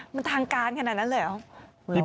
มันทางการขนาดนั้นเลยเหรอ